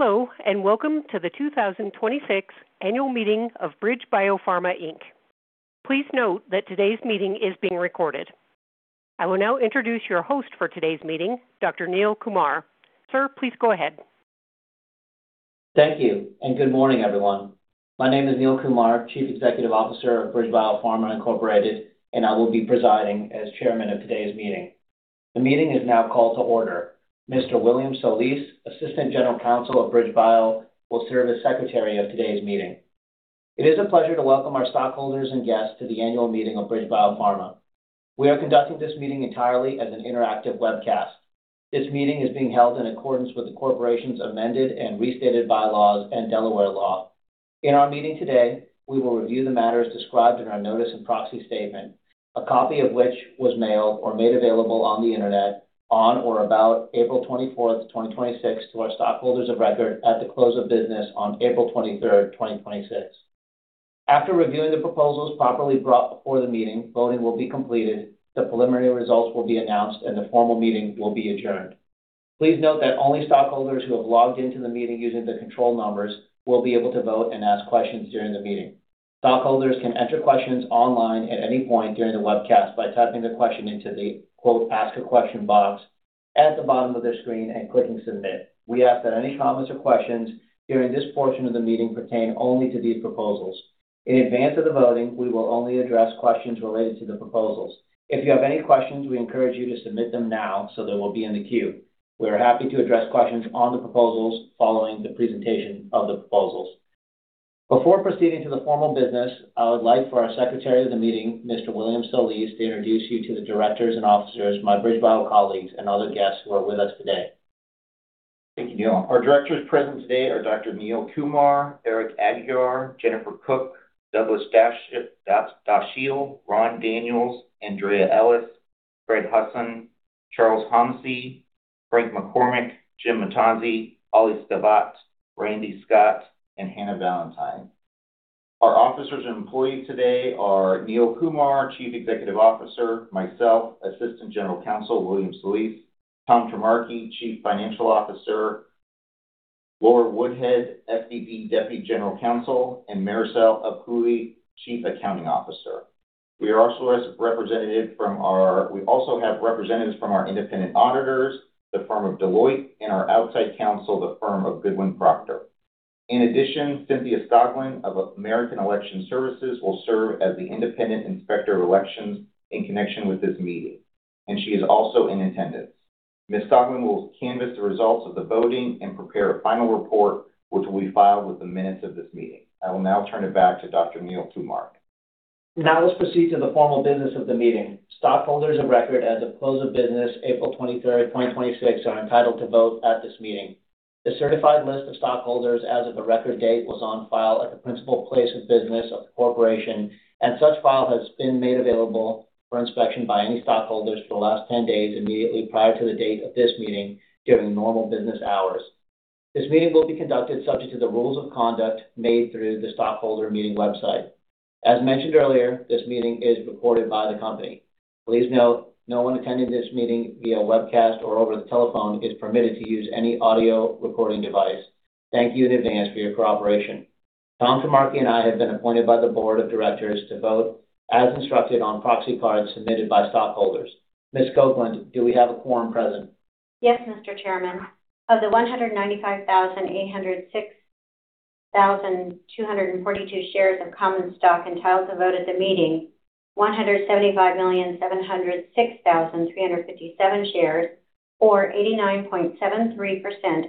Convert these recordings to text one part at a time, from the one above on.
Hello, welcome to the 2026 annual meeting of BridgeBio Pharma, Inc. Please note that today's meeting is being recorded. I will now introduce your host for today's meeting, Dr. Neil Kumar. Sir, please go ahead. Thank you, good morning, everyone. My name is Neil Kumar, Chief Executive Officer of BridgeBio Pharma, Incorporated, I will be presiding as Chairman of today's meeting. The meeting is now called to order. Mr. William Solis, Assistant General Counsel of BridgeBio, will serve as Secretary of today's meeting. It is a pleasure to welcome our stockholders and guests to the annual meeting of BridgeBio Pharma. We are conducting this meeting entirely as an interactive webcast. This meeting is being held in accordance with the corporation's amended and restated bylaws and Delaware law. In our meeting today, we will review the matters described in our notice and proxy statement, a copy of which was mailed or made available on the internet on or about April 24th, 2026, to our stockholders of record at the close of business on April 23rd, 2026. After reviewing the proposals properly brought before the meeting, voting will be completed, the preliminary results will be announced, the formal meeting will be adjourned. Please note that only stockholders who have logged into the meeting using their control numbers will be able to vote and ask questions during the meeting. Stockholders can enter questions online at any point during the webcast by typing their question into the "Ask a question" box at the bottom of their screen and clicking Send Submit. We ask that any comments or questions during this portion of the meeting pertain only to these proposals. In advance of the voting, we will only address questions related to the proposals. If you have any questions, we encourage you to submit them now so they will be in the queue. We are happy to address questions on the proposals following the presentation of the proposals. Before proceeding to the formal business, I would like for our Secretary of the meeting, Mr. William Solis, to introduce you to the directors and officers, my BridgeBio colleagues, and other guests who are with us today. Thank you, Neil. Our directors present today are Dr. Neil Kumar, Eric Aguiar, Jennifer Cook, Douglas Dachille, Ron Daniels, Andrea Ellis, Greg Hudson, Charles Homcy, Frank McCormick, Jim Momtazee, Ali Satvat, Randy Scott, and Hannah Valantine. Our officers and employees today are Neil Kumar, Chief Executive Officer, myself, Assistant General Counsel, William Solis, Tom Trimarchi, Chief Financial Officer, Laura Woodhead, Deputy General Counsel, and Maricel Apuli, Chief Accounting Officer.. We also have representatives from our independent auditors, the firm of Deloitte, and our outside counsel, the firm of Goodwin Procter. In addition, Cynthia Scotland of American Election Services will serve as the independent inspector of elections in connection with this meeting, and she is also in attendance. Ms. Scotland will canvas the results of the voting and prepare a final report, which will be filed with the minutes of this meeting. I will now turn it back to Dr. Neil Kumar. Let's proceed to the formal business of the meeting. Stockholders of record as of close of business April 23rd, 2026, are entitled to vote at this meeting. The certified list of stockholders as of the record date was on file at the principal place of business of the corporation, and such file has been made available for inspection by any stockholders for the last 10 days immediately prior to the date of this meeting during normal business hours. This meeting will be conducted subject to the rules of conduct made through the stockholder meeting website. As mentioned earlier, this meeting is recorded by the company. Please note no one attending this meeting via webcast or over the telephone is permitted to use any audio recording device. Thank you in advance for your cooperation. Thomas Trimarchi and I have been appointed by the board of directors to vote as instructed on proxy cards submitted by stockholders. Ms. Scotland, do we have a quorum present? Yes, Mr. Chairman. Of the 195,806,242 shares of common stock entitled to vote at the meeting, 175,706,357 shares, or 89.73%,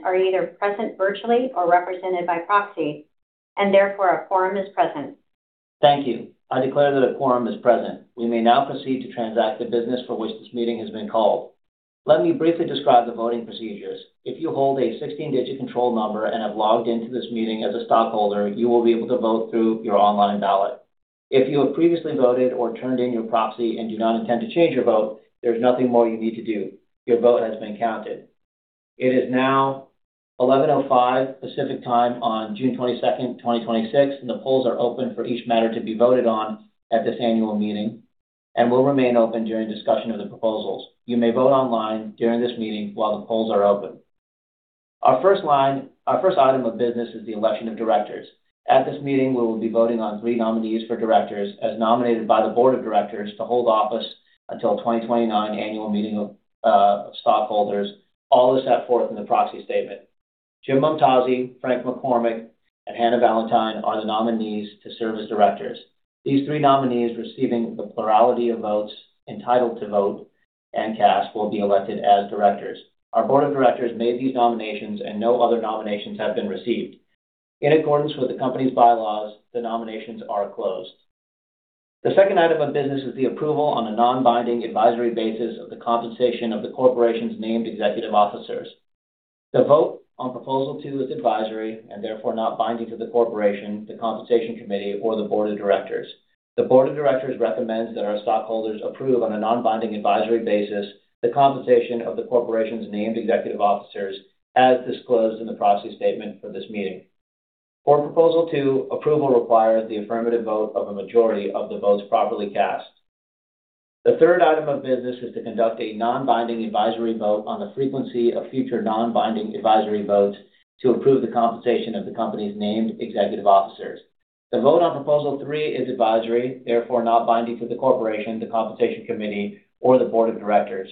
are either present virtually or represented by proxy, and therefore, a quorum is present. Thank you. I declare that a quorum is present. We may now proceed to transact the business for which this meeting has been called. Let me briefly describe the voting procedures. If you hold a 16-digit control number and have logged into this meeting as a stockholder, you will be able to vote through your online ballot. If you have previously voted or turned in your proxy and do not intend to change your vote, there's nothing more you need to do. Your vote has been counted. It is now 11:05 P.M. Pacific Time on June 22nd, 2026. The polls are open for each matter to be voted on at this annual meeting and will remain open during discussion of the proposals. You may vote online during this meeting while the polls are open. Our first item of business is the election of directors. At this meeting, we will be voting on three nominees for directors as nominated by the board of directors to hold office until 2029 annual meeting of stockholders, all as set forth in the proxy statement. Jim Momtazee, Frank McCormick, and Hannah Valantine are the nominees to serve as directors. These three nominees receiving the plurality of votes entitled to vote and cast will be elected as directors. Our board of directors made these nominations, and no other nominations have been received. In accordance with the company's bylaws, the nominations are closed. The second item of business is the approval on a non-binding advisory basis of the compensation of the corporation's named executive officers. The vote on proposal two is advisory and therefore not binding to the corporation, the compensation committee, or the board of directors. The board of directors recommends that our stockholders approve on a non-binding advisory basis the compensation of the corporation's named executive officers as disclosed in the proxy statement for this meeting. For proposal two, approval requires the affirmative vote of a majority of the votes properly cast. The third item of business is to conduct a non-binding advisory vote on the frequency of future non-binding advisory votes to approve the compensation of the company's named executive officers. The vote on Proposal three is advisory, therefore not binding to the corporation, the compensation committee, or the board of directors.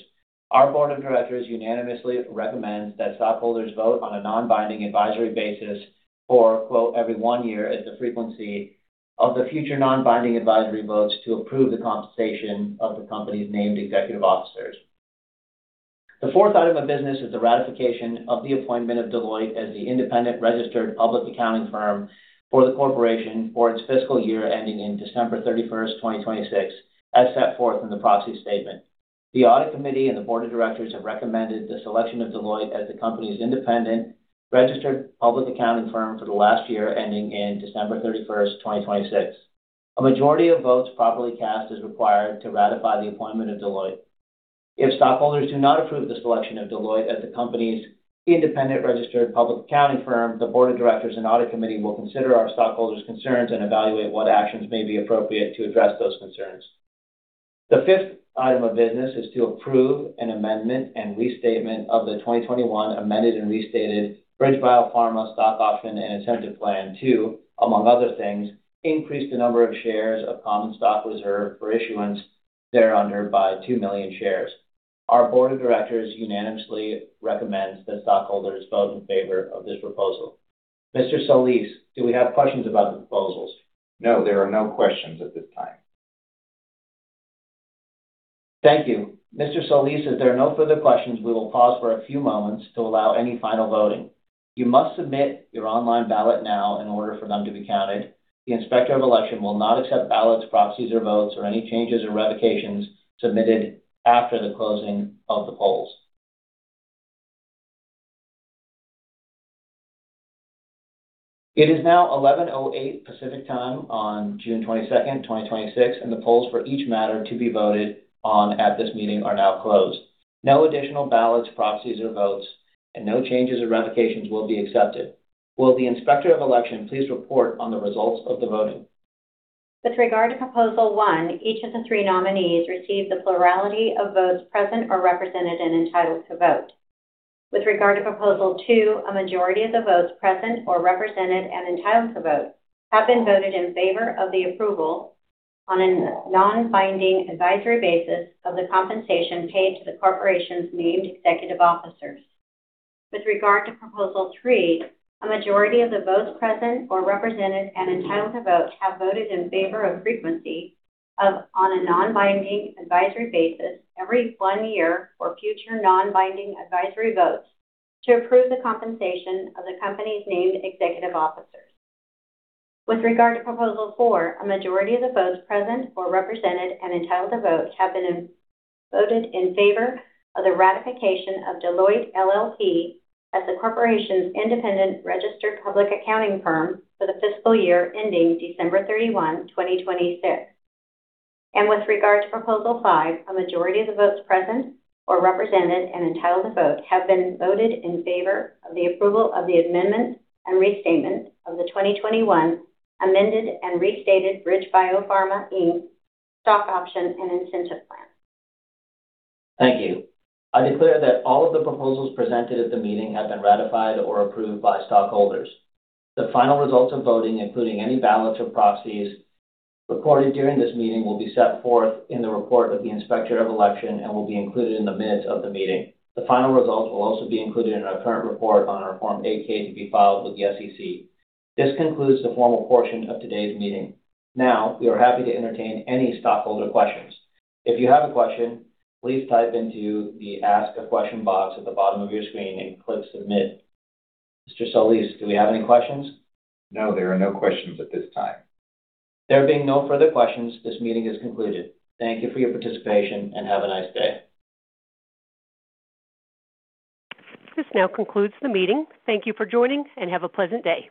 Our board of directors unanimously recommends that stockholders vote on a non-binding advisory basis for, quote, "Every one year at the frequency of the future non-binding advisory votes to approve the compensation of the company's named executive officers." The fourth item of business is the ratification of the appointment of Deloitte as the independent registered public accounting firm for the corporation for its fiscal year ending in December 31st, 2026, as set forth in the proxy statement. The audit committee and the board of directors have recommended the selection of Deloitte as the company's independent registered public accounting firm for the last year ending in December 31st, 2026. A majority of votes properly cast is required to ratify the appointment of Deloitte. If stockholders do not approve the selection of Deloitte as the company's independent registered public accounting firm, the board of directors and audit committee will consider our stockholders' concerns and evaluate what actions may be appropriate to address those concerns. The fifth item of business is to approve an amendment and restatement of the 2021 amended and restated BridgeBio Pharma stock option and incentive plan to, among other things, increase the number of shares of common stock reserved for issuance thereunder by two million shares. Our board of directors unanimously recommends that stockholders vote in favor of this proposal. Mr. Solis, do we have questions about the proposals? No, there are no questions at this time. Thank you. Mr. Solis, if there are no further questions, we will pause for a few moments to allow any final voting. You must submit your online ballot now in order for them to be counted. The inspector of election will not accept ballots, proxies, or votes, or any changes or revocations submitted after the closing of the polls. It is now 11:08 Pacific Time on June 22nd, 2026. The polls for each matter to be voted on at this meeting are now closed. No additional ballots, proxies, or votes and no changes or revocations will be accepted. Will the inspector of election please report on the results of the voting? With regard to Proposal one, each of the three nominees received the plurality of votes present or represented and entitled to vote. With regard to Proposal two, a majority of the votes present or represented and entitled to vote have been voted in favor of the approval on a non-binding advisory basis of the compensation paid to the corporation's named executive officers. With regard to Proposal three, a majority of the votes present or represented and entitled to vote have voted in favor of frequency of, on a non-binding advisory basis, every one year for future non-binding advisory votes to approve the compensation of the company's named executive officers. With regard to Proposal four, a majority of the votes present or represented and entitled to vote have been voted in favor of the ratification of Deloitte & Touche LLP as the corporation's independent registered public accounting firm for the fiscal year ending December 31, 2026. With regard to Proposal five, a majority of the votes present or represented and entitled to vote have been voted in favor of the approval of the amendment and restatement of the 2021 amended and restated BridgeBio Pharma, Inc. stock option and incentive plan. Thank you. I declare that all of the proposals presented at the meeting have been ratified or approved by stockholders. The final results of voting, including any ballots or proxies recorded during this meeting, will be set forth in the report of the inspector of election and will be included in the minutes of the meeting. The final results will also be included in our current report on our Form 8-K to be filed with the SEC. This concludes the formal portion of today's meeting. Now, we are happy to entertain any stockholder questions. If you have a question, please type into the Ask a Question box at the bottom of your screen and click Submit. Mr. Solis, do we have any questions? No, there are no questions at this time. There being no further questions, this meeting is concluded. Thank you for your participation, and have a nice day. This now concludes the meeting. Thank you for joining, and have a pleasant day.